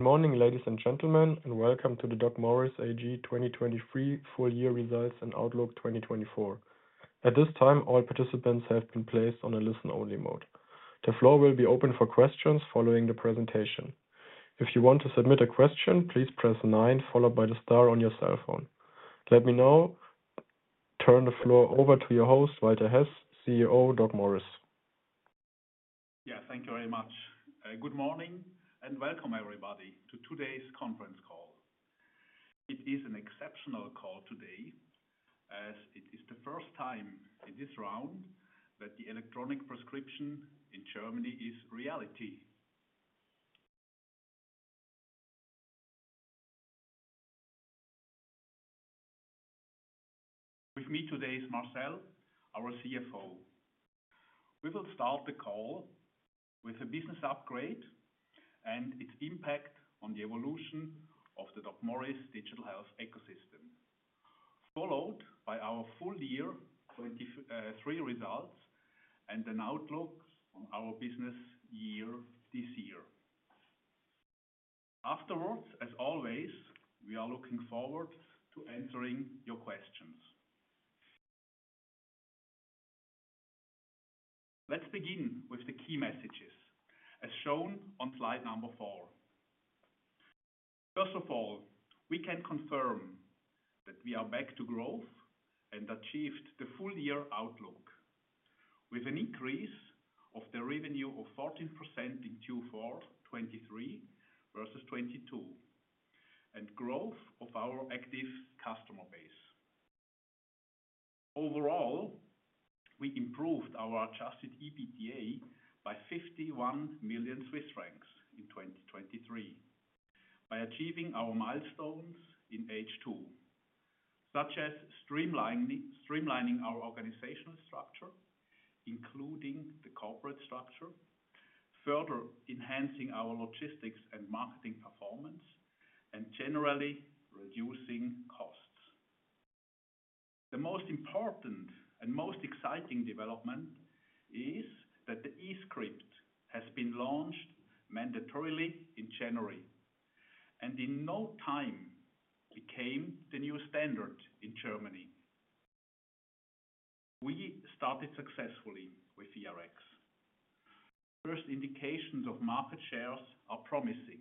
Good morning, ladies and gentlemen, and welcome to the DocMorris AG 2023 full-year results and Outlook 2024. At this time, all participants have been placed on a listen-only mode. The floor will be open for questions following the presentation. If you want to submit a question, please press 9 followed by the star on your cell phone. Let me now turn the floor over to your host, Walter Hess, CEO DocMorris. Yeah, thank you very much. Good morning and welcome, everybody, to today's conference call. It is an exceptional call today, as it is the first time in this round that the electronic prescription in Germany is reality. With me today is Marcel, our CFO. We will start the call with a business upgrade and its impact on the evolution of the DocMorris digital health ecosystem, followed by our full-year 2023 results and an outlook on our business year this year. Afterwards, as always, we are looking forward to answering your questions. Let's begin with the key messages, as shown on slide number four. First of all, we can confirm that we are back to growth and achieved the full-year outlook, with an increase of the revenue of 14% in Q4 2023 versus 2022, and growth of our active customer base. Overall, we improved our adjusted EBITDA by 51 million Swiss francs in 2023 by achieving our milestones in H2, such as streamlining our organizational structure, including the corporate structure, further enhancing our logistics and marketing performance, and generally reducing costs. The most important and most exciting development is that the eScript has been launched mandatorily in January and in no time became the new standard in Germany. We started successfully with ERX. First indications of market shares are promising.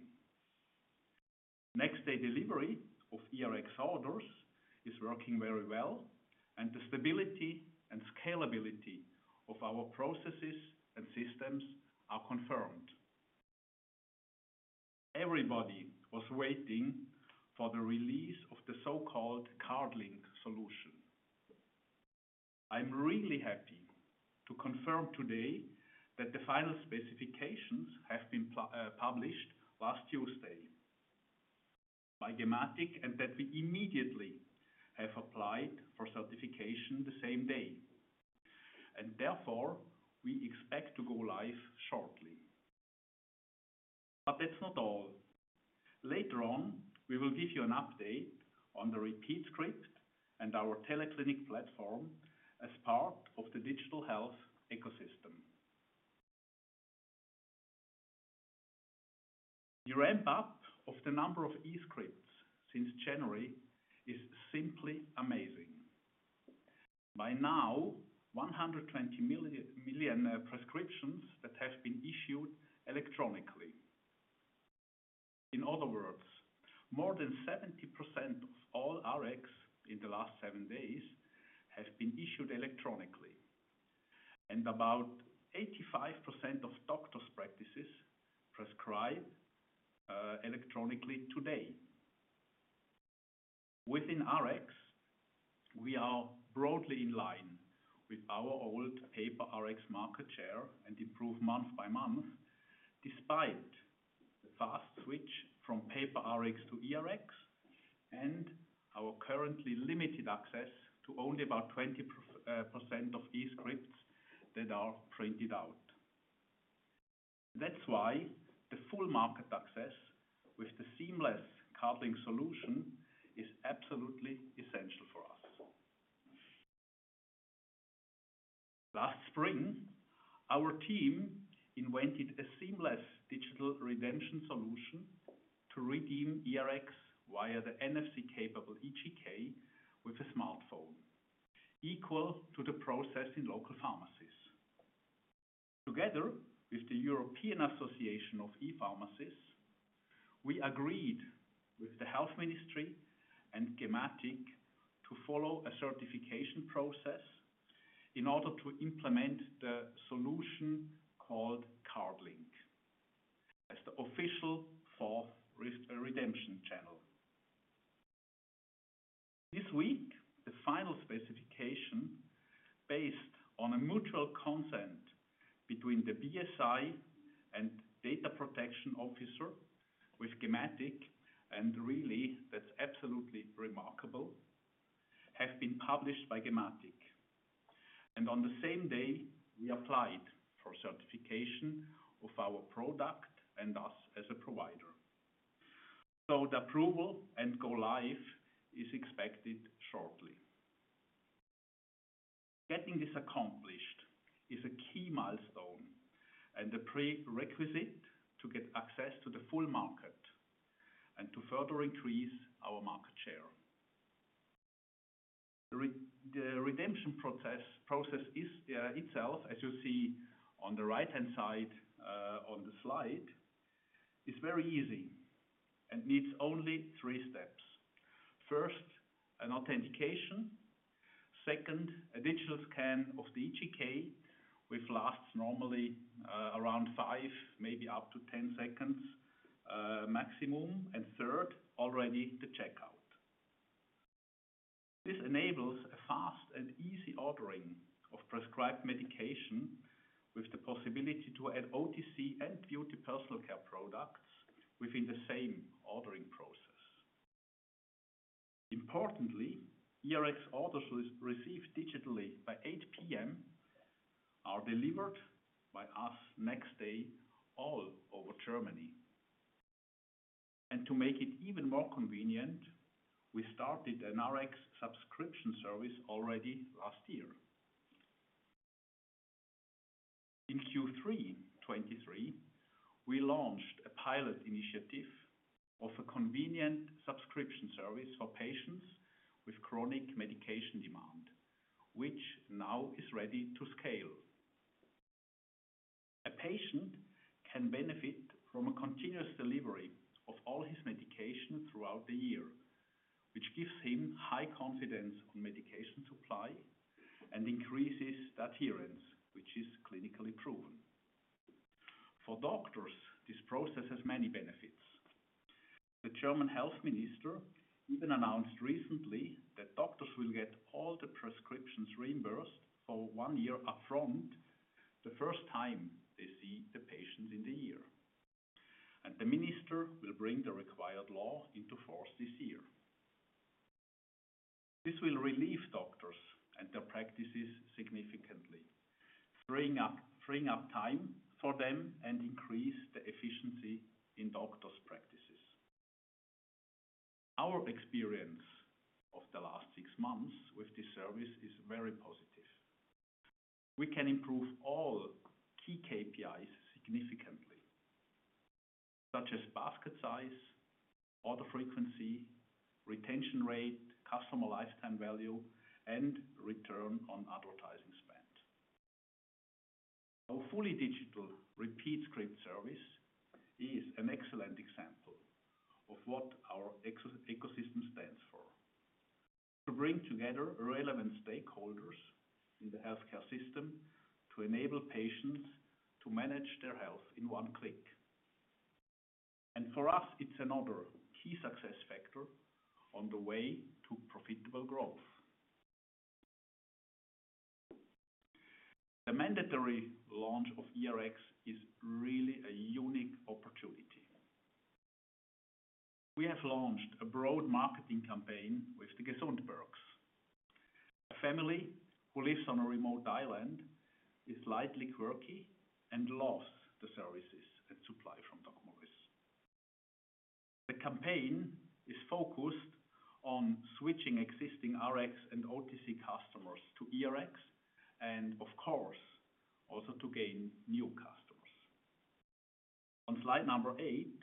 Next-day delivery of ERX orders is working very well, and the stability and scalability of our processes and systems are confirmed. Everybody was waiting for the release of the so-called CardLink solution. I'm really happy to confirm today that the final specifications have been published last Tuesday by Gematik and that we immediately have applied for certification the same day, and therefore we expect to go live shortly. But that's not all. Later on, we will give you an update on the repeat script and our TeleClinic platform as part of the digital health ecosystem. The ramp-up of the number of eScripts since January is simply amazing. By now, 120 million prescriptions that have been issued electronically. In other words, more than 70% of all Rx in the last seven days have been issued electronically, and about 85% of doctors' practices prescribe electronically today. Within Rx, we are broadly in line with our old paper Rx market share and improve month by month despite the fast switch from paper Rx to eRx and our currently limited access to only about 20% of eScripts that are printed out. That's why the full market access with the seamless CardLink solution is absolutely essential for us. Last spring, our team invented a seamless digital redemption solution to redeem ERX via the NFC-capable eGK with a smartphone, equal to the process in local pharmacies. Together with the European Association of E-Pharmacies, we agreed with the Health Ministry and Gematik to follow a certification process in order to implement the solution called CardLink as the official fourth redemption channel. This week, the final specification, based on a mutual consent between the BSI and Data Protection Officer with Gematik, and really, that's absolutely remarkable, have been published by Gematik, and on the same day, we applied for certification of our product and us as a provider. So the approval and go live is expected shortly. Getting this accomplished is a key milestone and a prerequisite to get access to the full market and to further increase our market share. The redemption process itself, as you see on the right-hand side on the slide, is very easy and needs only three steps. First, an authentication. Second, a digital scan of the eGK, which lasts normally around five, maybe up to 10 seconds maximum. Third, already the checkout. This enables a fast and easy ordering of prescribed medication with the possibility to add OTC and beauty personal care products within the same ordering process. Importantly, eRx orders received digitally by 8:00 P.M. are delivered by us next day all over Germany. To make it even more convenient, we started an Rx subscription service already last year. In Q3 2023, we launched a pilot initiative of a convenient subscription service for patients with chronic medication demand, which now is ready to scale. A patient can benefit from a continuous delivery of all his medication throughout the year, which gives him high confidence on medication supply and increases that adherence, which is clinically proven. For doctors, this process has many benefits. The German Health Minister even announced recently that doctors will get all the prescriptions reimbursed for one year upfront the first time they see the patients in the year. The minister will bring the required law into force this year. This will relieve doctors and their practices significantly, freeing up time for them and increasing the efficiency in doctors' practices. Our experience of the last six months with this service is very positive. We can improve all key KPIs significantly, such as basket size, order frequency, retention rate, customer lifetime value, and return on advertising spend. Our fully digital repeat script service is an excellent example of what our ecosystem stands for: to bring together relevant stakeholders in the healthcare system to enable patients to manage their health in one click. For us, it's another key success factor on the way to profitable growth. The mandatory launch of ERX is really a unique opportunity. We have launched a broad marketing campaign with the Gesundbergs. A family who lives on a remote island is slightly quirky and loves the services and supply from DocMorris. The campaign is focused on switching existing Rx and OTC customers to ERX and, of course, also to gain new customers. On slide number eight,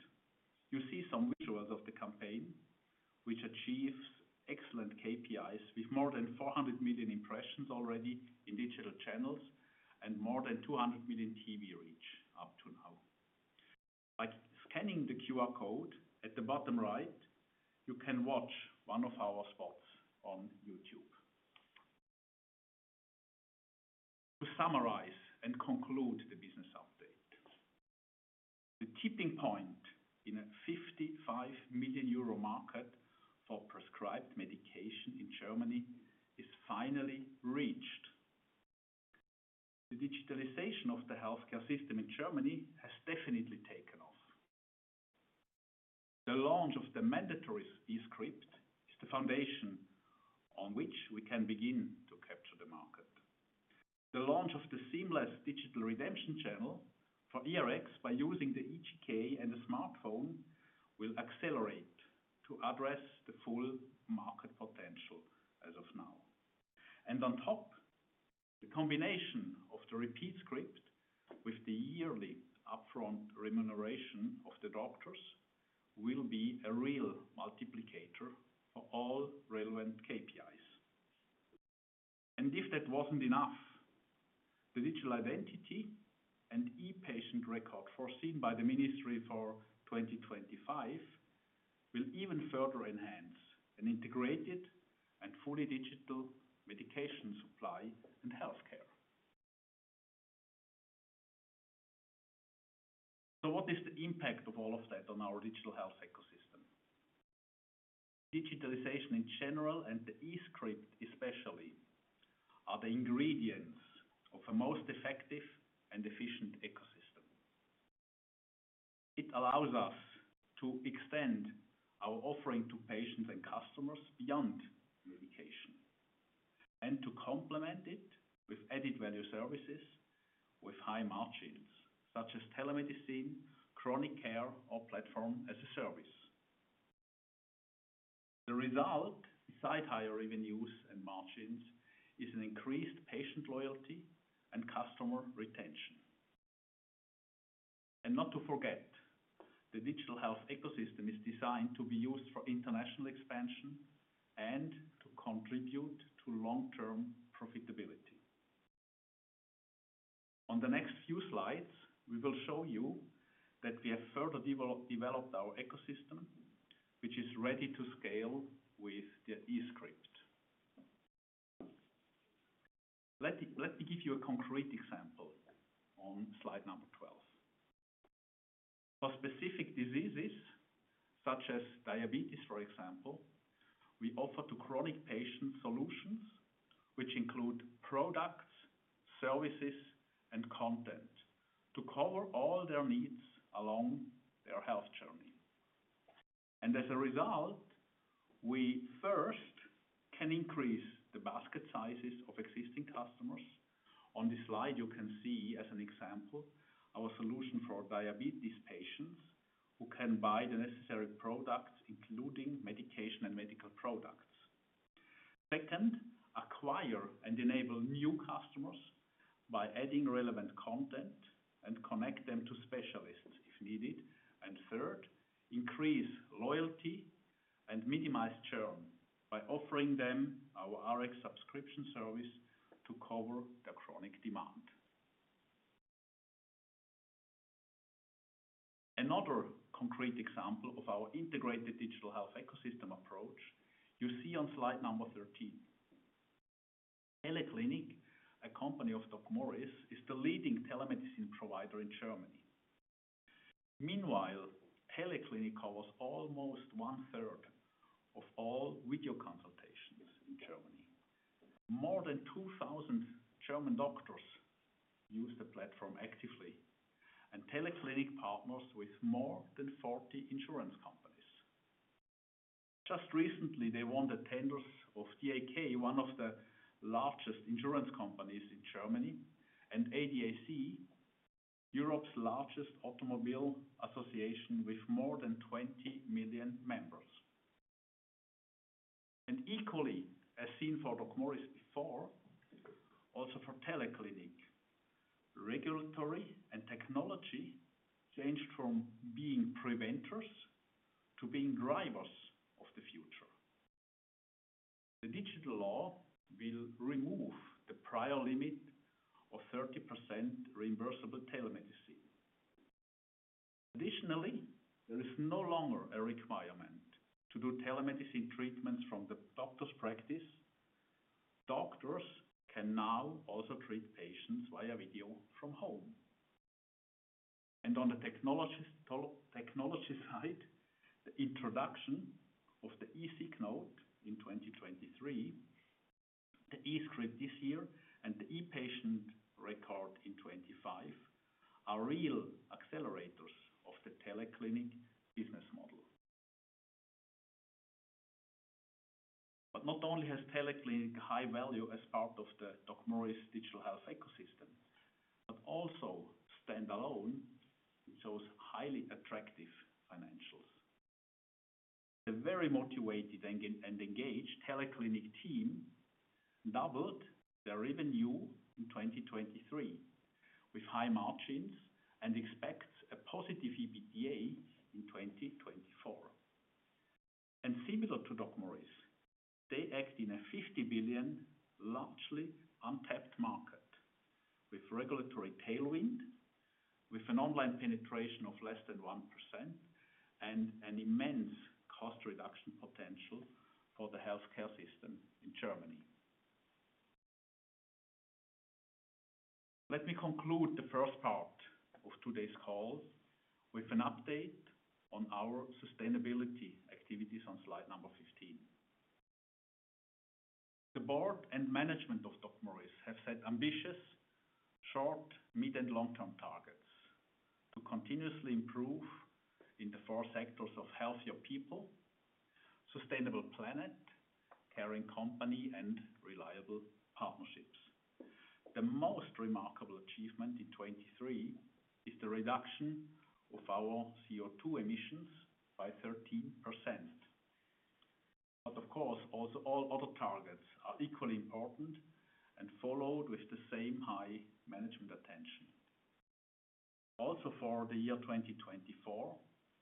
you see some visuals of the campaign, which achieves excellent KPIs with more than 400 million impressions already in digital channels and more than 200 million TV reach up to now. By scanning the QR code at the bottom right, you can watch one of our spots on YouTube. To summarize and conclude the business update: the tipping point in a 55 million euro market for prescribed medication in Germany is finally reached. The digitalization of the healthcare system in Germany has definitely taken off. The launch of the mandatory eScript is the foundation on which we can begin to capture the market. The launch of the seamless digital redemption channel for eRx by using the eGK and the smartphone will accelerate to address the full market potential as of now. On top, the combination of the repeat script with the yearly upfront remuneration of the doctors will be a real multiplier for all relevant KPIs. If that wasn't enough, the digital identity and e-patient record foreseen by the Ministry for 2025 will even further enhance an integrated and fully digital medication supply and healthcare. So what is the impact of all of that on our digital health ecosystem? Digitalization in general and the eScript especially are the ingredients of a most effective and efficient ecosystem. It allows us to extend our offering to patients and customers beyond medication and to complement it with added value services with high margins such as telemedicine, chronic care, or platform as a service. The result, besides higher revenues and margins, is an increased patient loyalty and customer retention. And not to forget, the digital health ecosystem is designed to be used for international expansion and to contribute to long-term profitability. On the next few slides, we will show you that we have further developed our ecosystem, which is ready to scale with the eScript. Let me give you a concrete example on slide number 12. For specific diseases such as diabetes, for example, we offer to chronic patients solutions which include products, services, and content to cover all their needs along their health journey. And as a result, we first can increase the basket sizes of existing customers. On this slide, you can see, as an example, our solution for diabetes patients who can buy the necessary products, including medication and medical products. Second, acquire and enable new customers by adding relevant content and connecting them to specialists if needed. And third, increase loyalty and minimize churn by offering them our Rx subscription service to cover the chronic demand. Another concrete example of our integrated digital health ecosystem approach you see on slide number 13. TeleClinic, a company of DocMorris, is the leading telemedicine provider in Germany. Meanwhile, TeleClinic covers almost one-third of all video consultations in Germany. More than 2,000 German doctors use the platform actively, and TeleClinic partners with more than 40 insurance companies. Just recently, they won the tenders of DAK, one of the largest insurance companies in Germany, and ADAC, Europe's largest automobile association with more than 20 million members. Equally, as seen for DocMorris before, also for TeleClinic, regulatory and technology changed from being preventors to being drivers of the future. The digital law will remove the prior limit of 30% reimbursable telemedicine. Additionally, there is no longer a requirement to do telemedicine treatments from the doctor's practice. Doctors can now also treat patients via video from home. On the technology side, the introduction of the e-sick note in 2023, the eScript this year, and the e-patient record in 2025 are real accelerators of the TeleClinic business model. But not only has TeleClinic high value as part of the DocMorris digital health ecosystem, but also standalone with those highly attractive financials. The very motivated and engaged TeleClinic team doubled their revenue in 2023 with high margins and expects a positive EBITDA in 2024. Similar to DocMorris, they act in a 50 billion, largely untapped market with regulatory tailwind, with an online penetration of less than 1%, and an immense cost reduction potential for the healthcare system in Germany. Let me conclude the first part of today's call with an update on our sustainability activities on slide number 15. The board and management of DocMorris have set ambitious short, mid-, and long-term targets to continuously improve in the four sectors of healthier people, sustainable planet, caring company, and reliable partnerships. The most remarkable achievement in 2023 is the reduction of our CO2 emissions by 13%. But, of course, also all other targets are equally important and followed with the same high management attention. Also for the year 2024,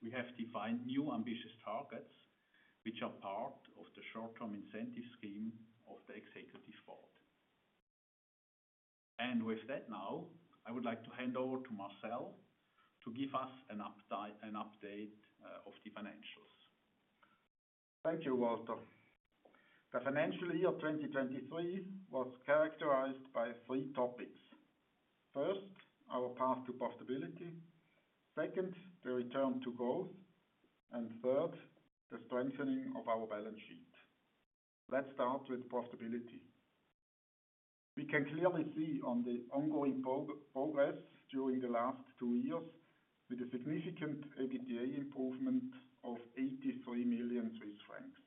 we have defined new ambitious targets, which are part of the short-term incentive scheme of the executive board. And with that now, I would like to hand over to Marcel to give us an update of the financials. Thank you, Walter. The financial year 2023 was characterized by three topics. First, our path to profitability. Second, the return to growth. And third, the strengthening of our balance sheet. Let's start with profitability. We can clearly see on the ongoing progress during the last two years with a significant EBITDA improvement of 83 million Swiss francs.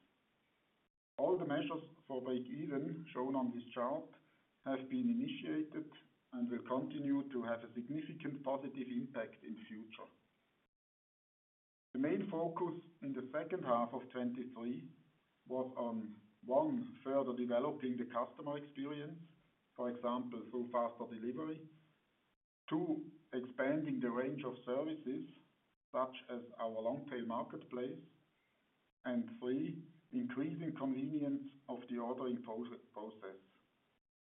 All the measures for break-even shown on this chart have been initiated and will continue to have a significant positive impact in the future. The main focus in the second half of 2023 was on, one, further developing the customer experience, for example, through faster delivery, two, expanding the range of services such as our long-tail marketplace, and three, increasing convenience of the ordering process.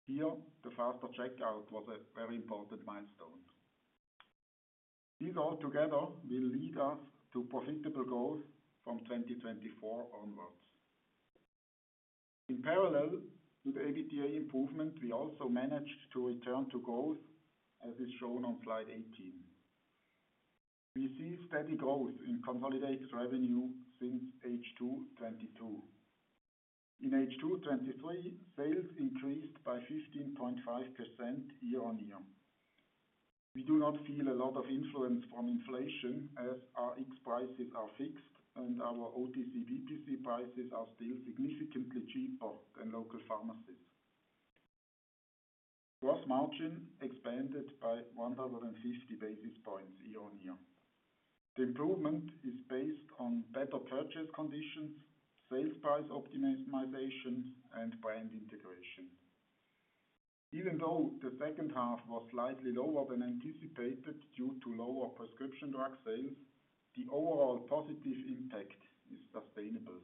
Here, the faster checkout was a very important milestone. These altogether will lead us to profitable growth from 2024 onwards. In parallel to the EBITDA improvement, we also managed to return to growth, as is shown on slide 18. We see steady growth in consolidated revenue since H2 2022. In H2 2023, sales increased by 15.5% year-over-year. We do not feel a lot of influence from inflation as our Rx prices are fixed and our OTC/BPC prices are still significantly cheaper than local pharmacies. Gross margin expanded by 150 basis points year-on-year. The improvement is based on better purchase conditions, sales price optimization, and brand integration. Even though the second half was slightly lower than anticipated due to lower prescription drug sales, the overall positive impact is sustainable.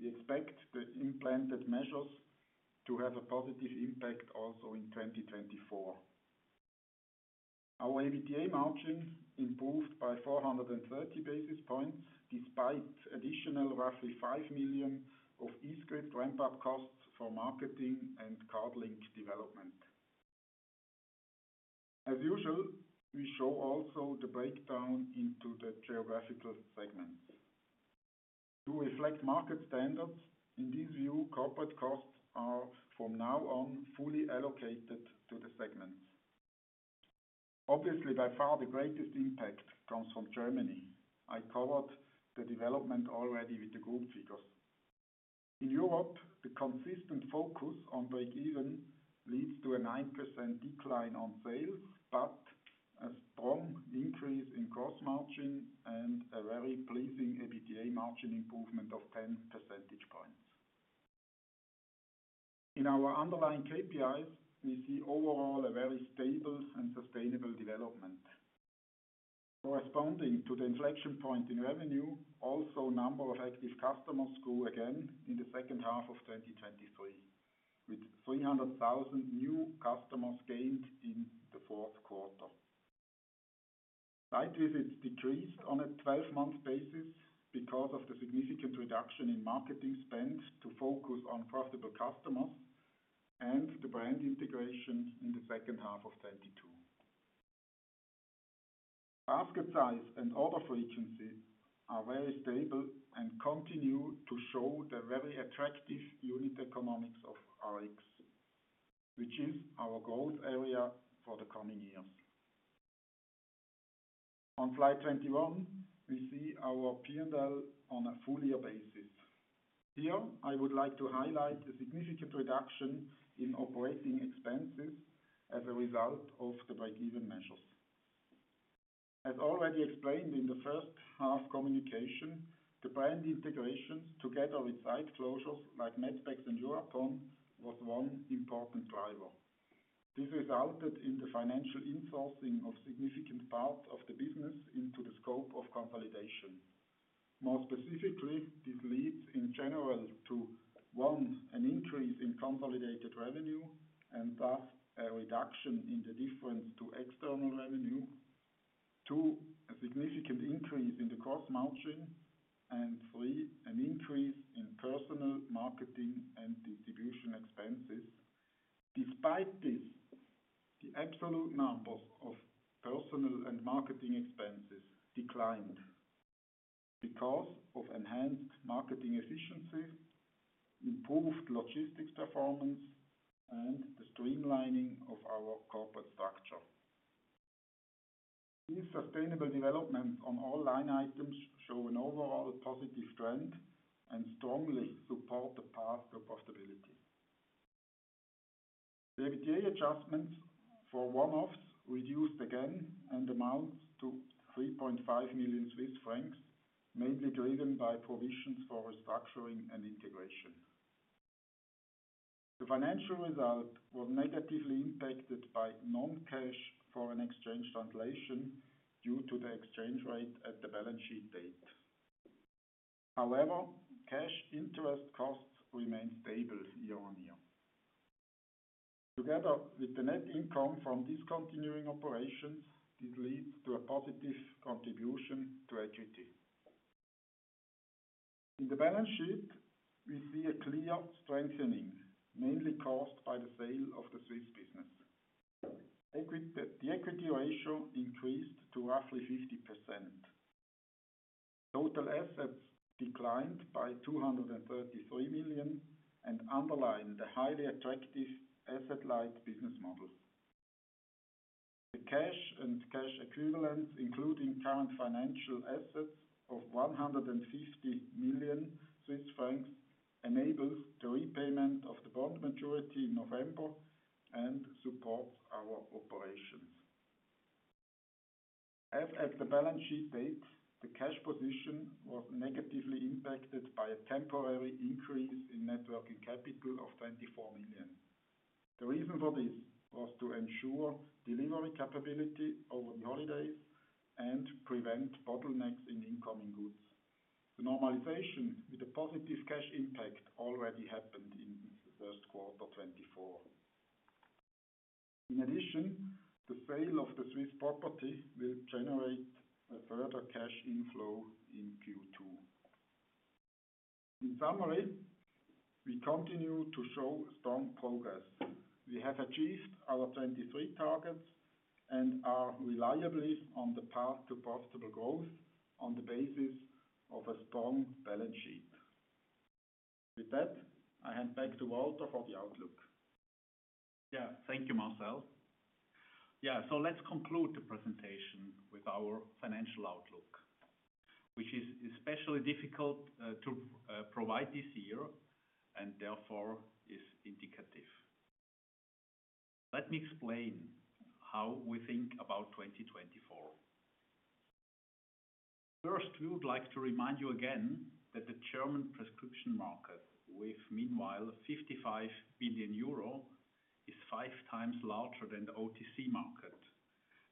We expect the implemented measures to have a positive impact also in 2024. Our EBITDA margin improved by 430 basis points despite additional roughly 5 million of eScript ramp-up costs for marketing and CardLink development. As usual, we show also the breakdown into the geographical segments. To reflect market standards, in this view, corporate costs are from now on fully allocated to the segments. Obviously, by far, the greatest impact comes from Germany. I covered the development already with the group figures. In Europe, the consistent focus on break-even leads to a 9% decline on sales but a strong increase in gross margin and a very pleasing EBITDA margin improvement of 10 percentage points. In our underlying KPIs, we see overall a very stable and sustainable development. Corresponding to the inflection point in revenue, also a number of active customers grew again in the second half of 2023 with 300,000 new customers gained in the Q4. Site visits decreased on a 12 month basis because of the significant reduction in marketing spend to focus on profitable customers and the brand integration in the second half of 2022. Basket size and order frequency are very stable and continue to show the very attractive unit economics of RX, which is our growth area for the coming years. On slide 21, we see our P&L on a full-year basis. Here, I would like to highlight the significant reduction in operating expenses as a result of the break-even measures. As already explained in the first half communication, the brand integrations together with site closures like medpex and Eurapon were one important driver. This resulted in the financial insourcing of a significant part of the business into the scope of consolidation. More specifically, this leads in general to: one, an increase in consolidated revenue and thus a reduction in the difference to external revenue, two, a significant increase in the gross margin, and three, an increase in personal, marketing, and distribution expenses. Despite this, the absolute numbers of personal and marketing expenses declined because of enhanced marketing efficiency, improved logistics performance, and the streamlining of our corporate structure. These sustainable developments on all line items show an overall positive trend and strongly support the path to profitability. The EBITDA adjustments for one-offs reduced again and amount to 3.5 million Swiss francs, mainly driven by provisions for restructuring and integration. The financial result was negatively impacted by non-cash foreign exchange translation due to the exchange rate at the balance sheet date. However, cash interest costs remained stable year on year. Together with the net income from discontinuing operations, this leads to a positive contribution to equity. In the balance sheet, we see a clear strengthening, mainly caused by the sale of the Swiss business. The equity ratio increased to roughly 50%. Total assets declined by 233 million and underline the highly attractive asset-light business model. The cash and cash equivalents, including current financial assets of 150 million Swiss francs, enable the repayment of the bond maturity in November and support our operations. As at the balance sheet date, the cash position was negatively impacted by a temporary increase in working capital of 24 million. The reason for this was to ensure delivery capability over the holidays and prevent bottlenecks in incoming goods. The normalization with a positive cash impact already happened in the Q1 2024. In addition, the sale of the Swiss property will generate further cash inflow in Q2. In summary, we continue to show strong progress. We have achieved our 2023 targets and are reliably on the path to profitable growth on the basis of a strong balance sheet. With that, I hand back to Walter for the outlook. Yeah, thank you, Marcel. Yeah, so let's conclude the presentation with our financial outlook, which is especially difficult to provide this year and therefore is indicative. Let me explain how we think about 2024. First, we would like to remind you again that the German prescription market, with meanwhile 55 billion euro, is 5x larger than the OTC market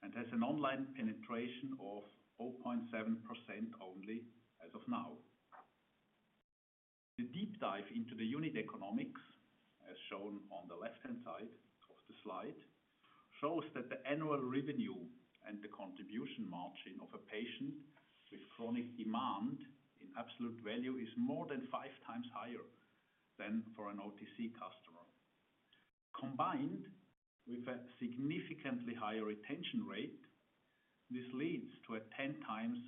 and has an online penetration of 0.7% only as of now. The deep dive into the unit economics, as shown on the left-hand side of the slide, shows that the annual revenue and the contribution margin of a patient with chronic demand in absolute value is more than 5 times higher than for an OTC customer. Combined with a significantly higher retention rate, this leads to a 10x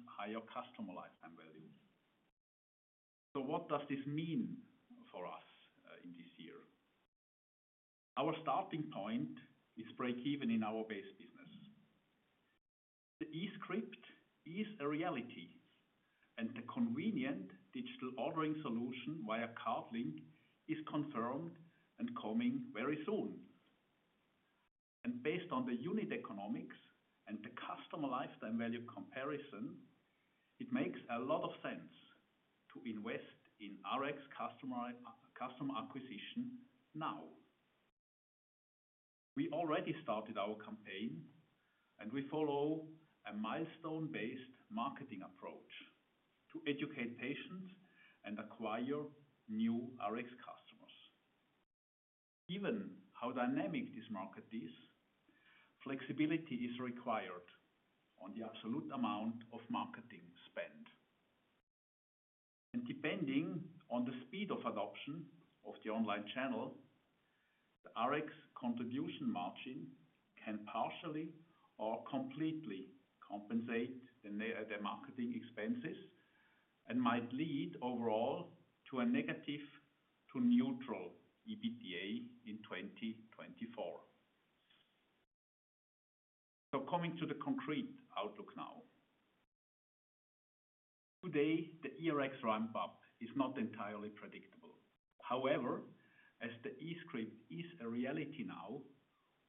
higher customer lifetime value. So what does this mean for us in this year? Our starting point is break-even in our base business. The eScript is a reality, and the convenient digital ordering solution via CardLink is confirmed and coming very soon. Based on the unit economics and the customer lifetime value comparison, it makes a lot of sense to invest in RX customer acquisition now. We already started our campaign, and we follow a milestone-based marketing approach to educate patients and acquire new RX customers. Even how dynamic this market is, flexibility is required on the absolute amount of marketing spend. Depending on the speed of adoption of the online channel, the RX contribution margin can partially or completely compensate the marketing expenses and might lead overall to a negative to neutral EBITDA in 2024. Coming to the concrete outlook now. Today, the ERX ramp-up is not entirely predictable. However, as the eScript is a reality now,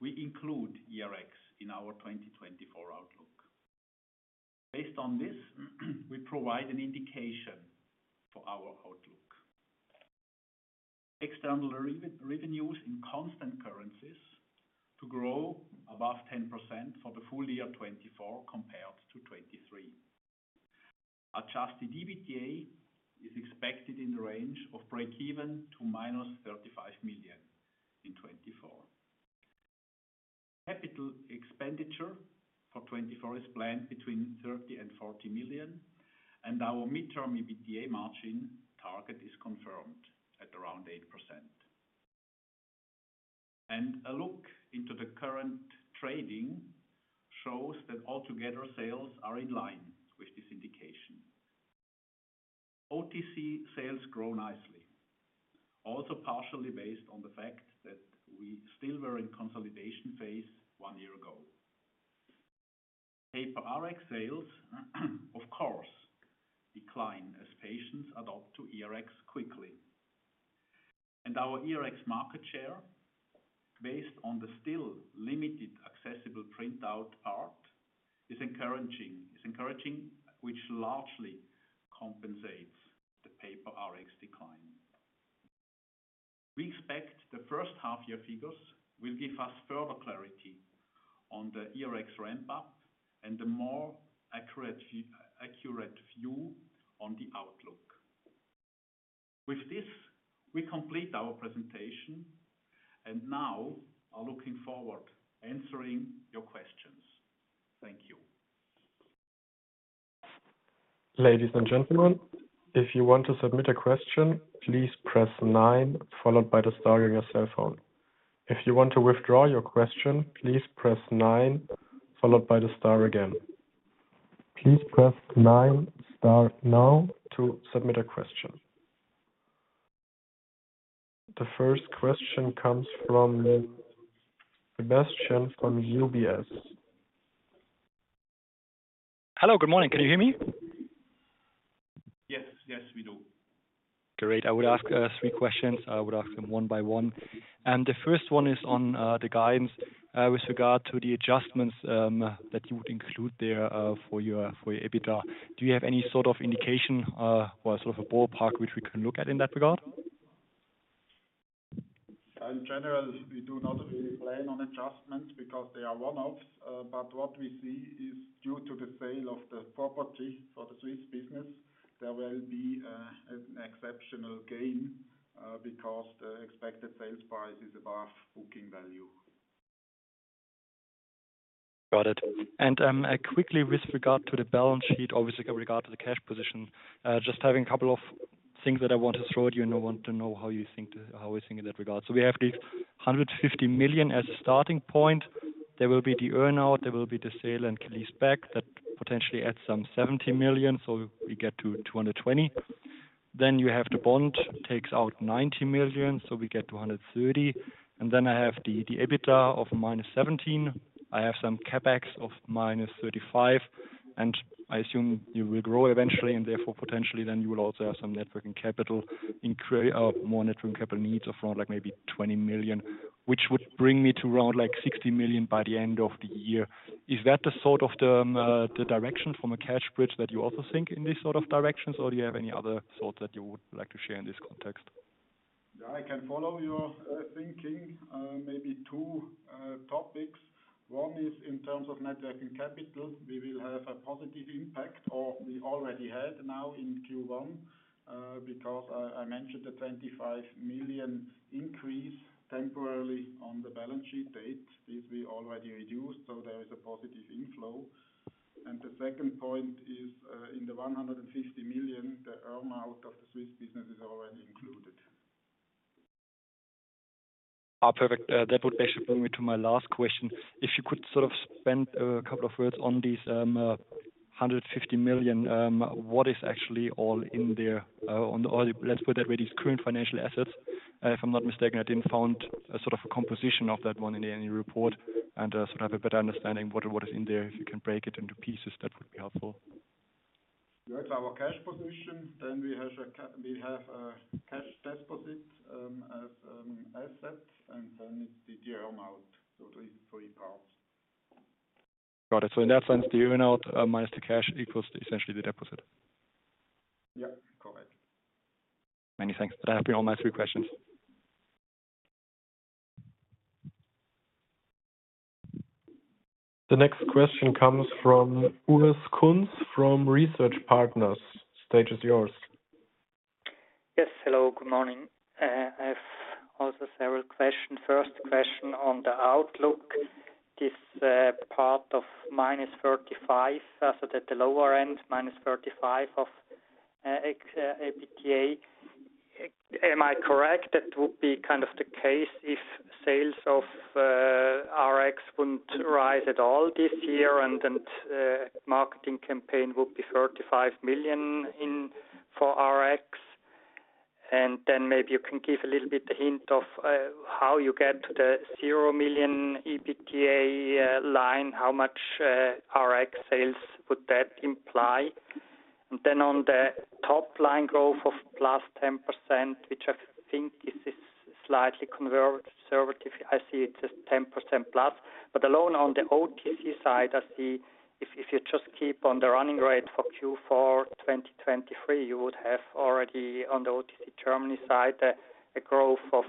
we include ERX in our 2024 outlook. Based on this, we provide an indication for our outlook. External revenues in constant currencies to grow above 10% for the full year 2024 compared to 2023. Adjusted EBITDA is expected in the range of break-even to -35 million in 2024. Capital expenditure for 2024 is planned between 30 million and 40 million, and our mid-term EBITDA margin target is confirmed at around 8%. A look into the current trading shows that altogether sales are in line with this indication. OTC sales grow nicely, also partially based on the fact that we still were in consolidation phase one year ago. Paper RX sales, of course, decline as patients adopt to ERX quickly. Our ERX market share, based on the still limited accessible printout part, is encouraging, which largely compensates the paper RX decline. We expect the first half-year figures will give us further clarity on the ERX ramp-up and a more accurate view on the outlook. With this, we complete our presentation and now are looking forward to answering your questions. Thank you. Ladies and gentlemen, if you want to submit a question, please Press nine followed by the star on your cell phone. If you want to withdraw your question, please Press nine followed by the star again. Please Press nine Star now to submit a question. The first question comes from Sebastian from UBS. Hello, good morning. Can you hear me? Yes, yes, we do. Great. I would ask three questions. I would ask them one by one. The first one is on the guidance with regard to the adjustments that you would include there for your EBITDA. Do you have any sort of indication or sort of a ballpark which we can look at in that regard? In general, we do not really plan on adjustments because they are one-offs. But what we see is due to the sale of the property for the Swiss business, there will be an exceptional gain because the expected sales price is above booking value. Got it. Quickly with regard to the balance sheet, obviously with regard to the cash position, just having a couple of things that I want to throw at you and I want to know how you think, how we think in that regard. We have these 150 million as a starting point. There will be the earnout. There will be the sale and lease back that potentially adds some 70 million, so we get to 220 million. Then you have the bond takes out 90 million, so we get to 130 million. And then I have the EBITDA of -17 million. I have some CapEx of -35 million. And I assume you will grow eventually and therefore potentially then you will also have some working capital, more working capital needs of around maybe 20 million, which would bring me to around 60 million by the end of the year. Is that the sort of the direction from a cash bridge that you also think in this sort of directions, or do you have any other thoughts that you would like to share in this context? Yeah, I can follow your thinking. Maybe two topics. One is in terms of net working capital, we will have a positive impact or we already had now in Q1 because I mentioned the 25 million increase temporarily on the balance sheet date. This we already reduced, so there is a positive inflow. And the second point is in the 150 million, the earnout of the Swiss business is already included. Perfect. That would actually bring me to my last question. If you could sort of spend a couple of words on these 150 million, what is actually all in there? Let's put it that way, these current financial assets. If I'm not mistaken, I didn't find a sort of a composition of that one in any report and sort of have a better understanding of what is in there. If you can break it into pieces, that would be helpful. We have our cash position. Then we have a cash deposit as an asset, and then it's the earnout. So these three parts. Got it. So in that sense, the earnout minus the cash equals essentially the deposit. Yeah, correct. Many thanks. That have been all my three questions. The next question comes from Urs Kunz from Research Partners. Stage, it's yours. Yes, hello, good morning. I have also several questions. First question on the outlook. This part of -35, so that the lower end, -35 of EBITDA, am I correct that would be kind of the case if sales of RX wouldn't rise at all this year and marketing campaign would be 35 million for RX? And then maybe you can give a little bit of a hint of how you get to the 0 million EBITDA line, how much RX sales would that imply? And then on the top line growth of +10%, which I think this is slightly conservative. I see it's a 10%+. But alone on the OTC side, I see if you just keep on the running rate for Q4 2023, you would have already on the OTC Germany side a growth of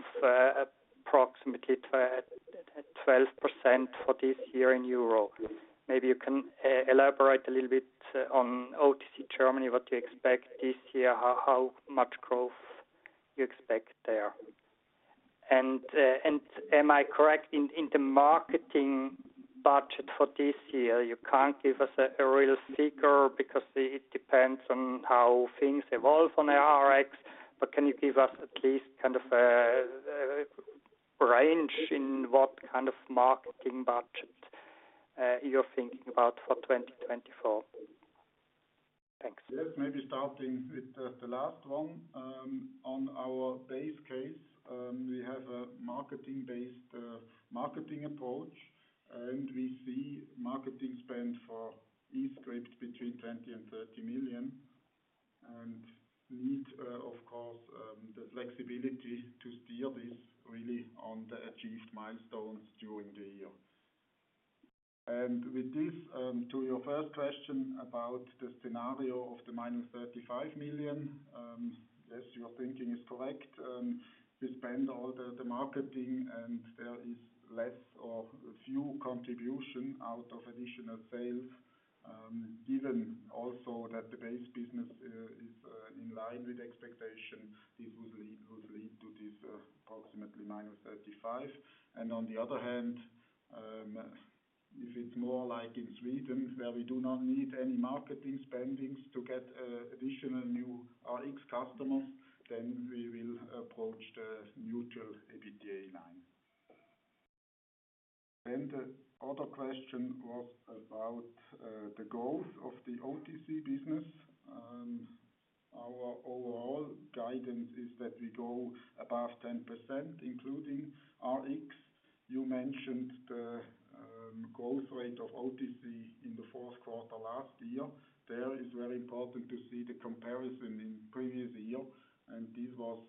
approximately 12% for this year in euro. Maybe you can elaborate a little bit on OTC Germany, what you expect this year, how much growth you expect there. And am I correct in the marketing budget for this year? You can't give us a real figure because it depends on how things evolve on the RX, but can you give us at least kind of a range in what kind of marketing budget you're thinking about for 2024? Thanks. Yes, maybe starting with the last one. On our base case, we have a marketing-based marketing approach, and we see marketing spend for eScript between 20 million and 30 million and need, of course, the flexibility to steer this really on the achieved milestones during the year. And with this, to your first question about the scenario of the -35 million, yes, your thinking is correct. We spend all the marketing, and there is less or few contributions out of additional sales. Given also that the base business is in line with expectation, this would lead to this approximately -35 million. And on the other hand, if it's more like in Sweden where we do not need any marketing spending to get additional new RX customers, then we will approach the neutral EBITDA line. Then the other question was about the growth of the OTC business. Our overall guidance is that we go above 10%, including RX. You mentioned the growth rate of OTC in the Q4 last year. There is very important to see the comparison in previous year, and this was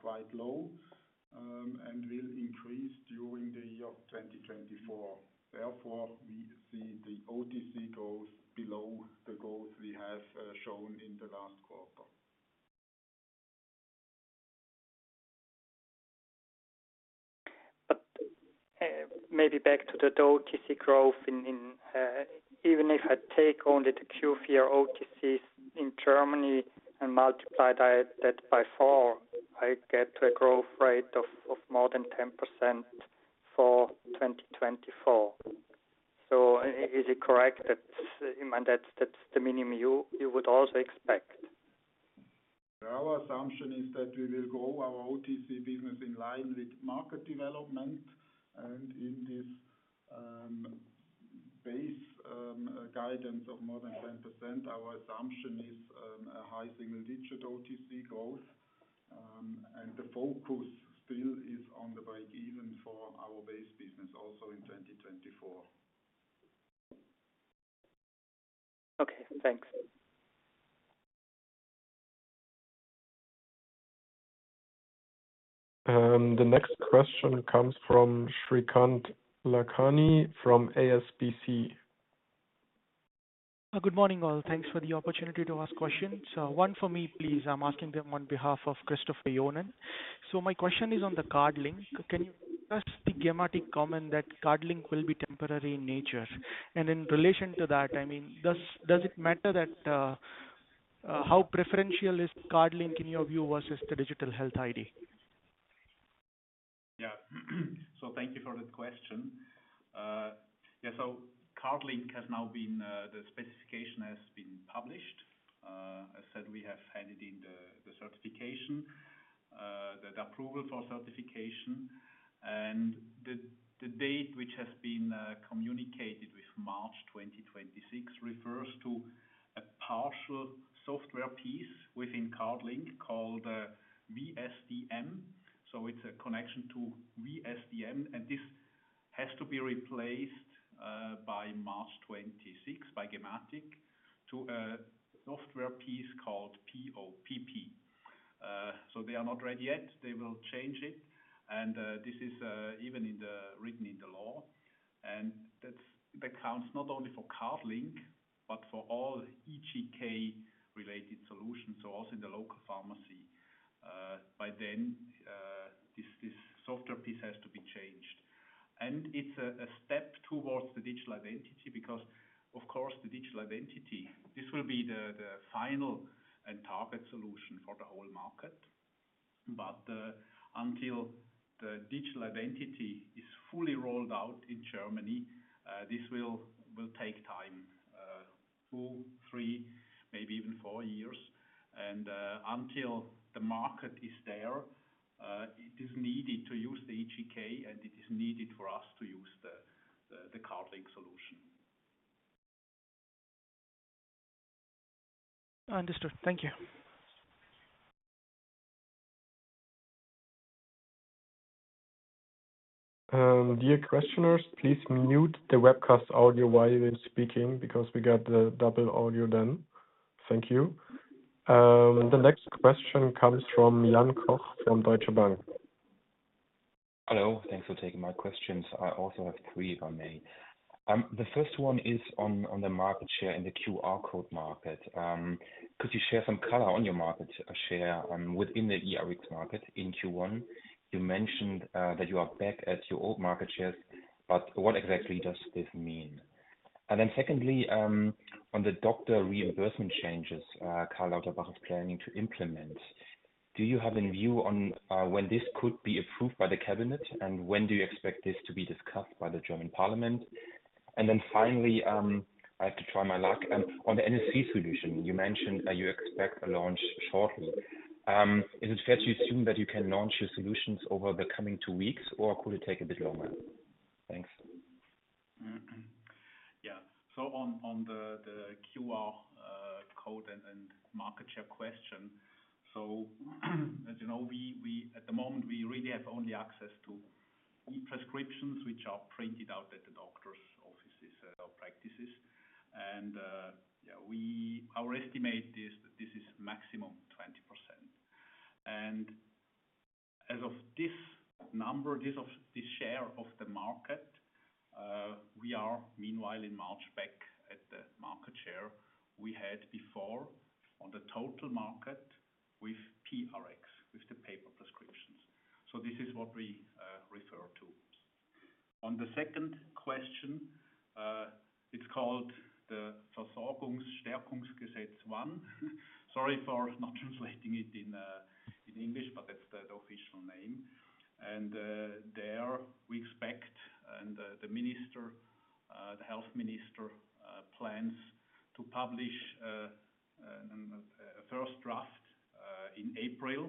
quite low and will increase during the year 2024. Therefore, we see the OTC growth below the growth we have shown in the last quarter. Maybe back to the OTC growth. Even if I take only the Q4 OTCs in Germany and multiply that by 4, I get to a growth rate of more than 10% for 2024. Is it correct that that's the minimum you would also expect? Our assumption is that we will grow our OTC business in line with market development. In this base guidance of more than 10%, our assumption is a high single-digit OTC growth. The focus still is on the break-even for our base business also in 2024. Okay, thanks. The next question comes from Shrikant Lakhani from HSBC. Good morning, all. Thanks for the opportunity to ask questions. One for me, please. I'm asking them on behalf of Christopher Johnen. So my question is on the CardLink. Can you discuss the schematic comment that CardLink will be temporary in nature? And in relation to that, I mean, does it matter how preferential is CardLink in your view versus the digital health ID? Yeah. So thank you for that question. Yeah, so CardLink has now been the specification has been published. As said, we have handed in the certification, the approval for certification. And the date, which has been communicated with March 2026, refers to a partial software piece within CardLink called VSDM. So it's a connection to VSDM. And this has to be replaced by March 2026, by gematik, to a software piece called PoPP. So they are not ready yet. They will change it. And this is even written in the law. And that counts not only for CardLink, but for all eGK-related solutions, so also in the local pharmacy. By then, this software piece has to be changed. And it's a step towards the digital identity because, of course, the digital identity, this will be the final and target solution for the whole market. Until the digital identity is fully rolled out in Germany, this will take time, 2, 3, maybe even 4 years. Until the market is there, it is needed to use the eGK, and it is needed for us to use the CardLink solution. Understood. Thank you. Dear questioners, please mute the webcast audio while you're speaking because we got double audio then. Thank you. The next question comes from Jan Koch from Deutsche Bank. Hello. Thanks for taking my questions. I also have three, if I may. The first one is on the market share in the QR code market. Could you share some color on your market share within the eRx market in Q1? You mentioned that you are back at your old market shares, but what exactly does this mean? And then secondly, on the doctor reimbursement changes Karl Lauterbach is planning to implement, do you have in view when this could be approved by the cabinet, and when do you expect this to be discussed by the German Parliament? And then finally, I have to try my luck. On the NFC solution, you mentioned you expect a launch shortly. Is it fair to assume that you can launch your solutions over the coming two weeks, or could it take a bit longer? Thanks. Yeah. So on the QR code and market share question, so as you know, at the moment, we really have only access to e-prescriptions, which are printed out at the doctor's offices or practices. And our estimate is that this is maximum 20%. And as of this number, this share of the market, we are, meanwhile, in March back at the market share we had before on the total market with pRx, with the paper prescriptions. So this is what we refer to. On the second question, it's called the Versorgungsstärkungsgesetz 1. Sorry for not translating it in English, but that's the official name. And there we expect, and the minister, the health minister, plans to publish a first draft in April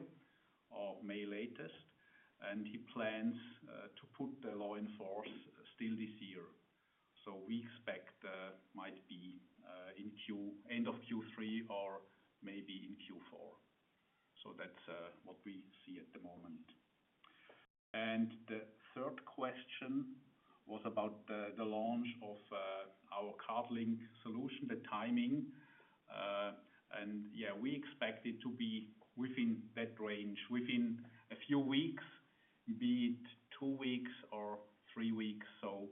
or May latest. And he plans to put the law in force still this year. So we expect it might be in end of Q3 or maybe in Q4. So that's what we see at the moment. And the third question was about the launch of our CardLink solution, the timing. And yeah, we expect it to be within that range, within a few weeks, be it two weeks or three weeks. So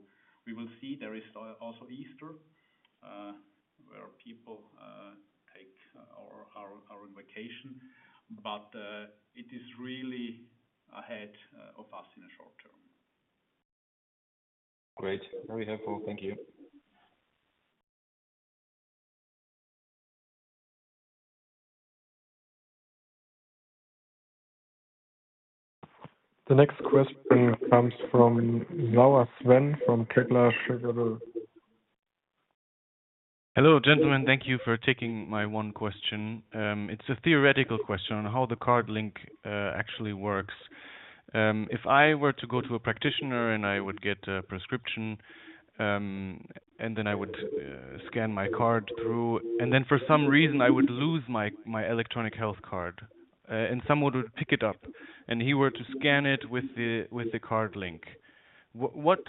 we will see. There is also Easter where people take our vacation. But it is really ahead of us in a short term. Great. Very helpful. Thank you. The next question comes from Sven Sauer from Kepler Cheuvreux. Hello, gentlemen. Thank you for taking my one question. It's a theoretical question on how the CardLink actually works. If I were to go to a practitioner and I would get a prescription, and then I would scan my card through, and then for some reason, I would lose my electronic health card, and someone would pick it up, and he were to scan it with the CardLink, what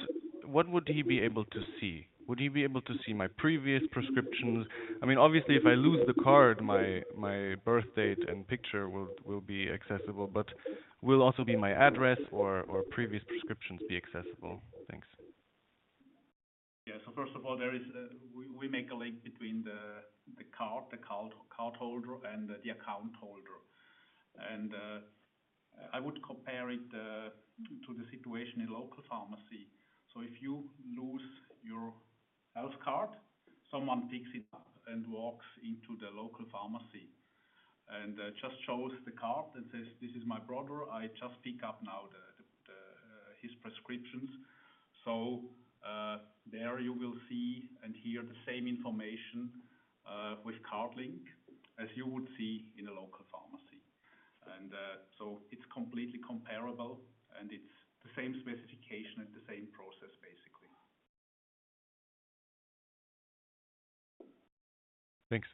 would he be able to see? Would he be able to see my previous prescriptions? I mean, obviously, if I lose the card, my birthdate and picture will be accessible, but will also be my address or previous prescriptions be accessible? Thanks. Yeah. First of all, we make a link between the card, the cardholder, and the account holder. And I would compare it to the situation in local pharmacy. If you lose your health card, someone picks it up and walks into the local pharmacy and just shows the card and says, "This is my brother. I just pick up now his prescriptions." There you will see and hear the same information with CardLink as you would see in a local pharmacy. And it's completely comparable, and it's the same specification and the same process, basically. Thanks.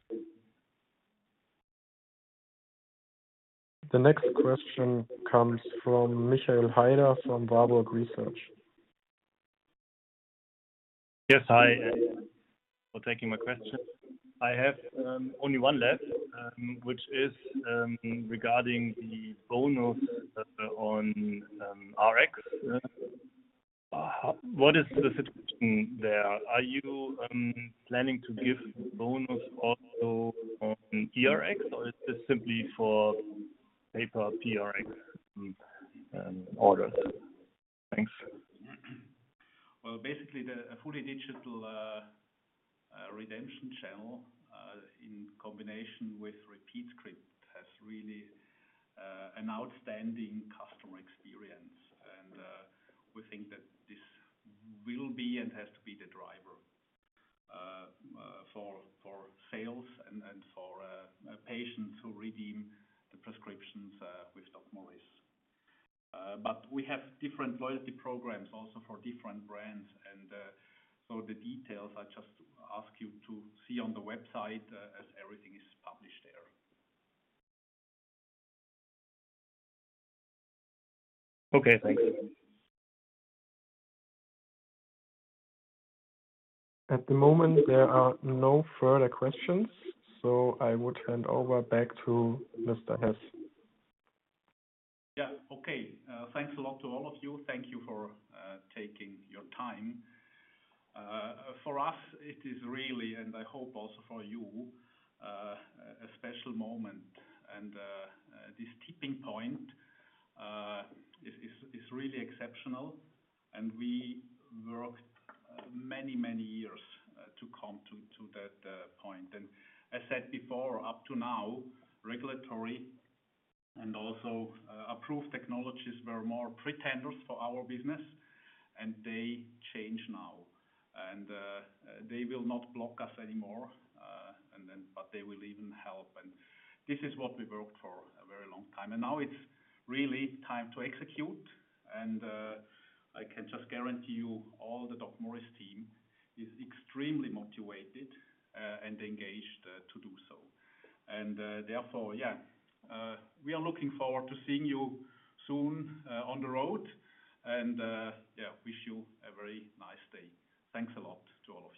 The next question comes from Michael Heider from Warburg Research. Yes. Hi. For taking my question. I have only one left, which is regarding the bonus on Rx. What is the situation there? Are you planning to give bonus also on eRx, or is this simply for paper pRx orders? Thanks. Well, basically, the fully digital redemption channel in combination with repeat script has really an outstanding customer experience. We think that this will be and has to be the driver for sales and for patients who redeem the prescriptions with DocMorris. We have different loyalty programs also for different brands. So the details I just ask you to see on the website as everything is published there. Okay. Thanks. At the moment, there are no further questions. So I would hand over back to Mr. Hess. Yeah. Okay. Thanks a lot to all of you. Thank you for taking your time. For us, it is really, and I hope also for you, a special moment. This tipping point is really exceptional. We worked many, many years to come to that point. As said before, up to now, regulatory and also approved technologies were more pretenders for our business. They change now. They will not block us anymore, but they will even help. This is what we worked for a very long time. Now it's really time to execute. I can just guarantee you all the DocMorris team is extremely motivated and engaged to do so. Therefore, yeah, we are looking forward to seeing you soon on the road. Yeah, wish you a very nice day. Thanks a lot to all of you.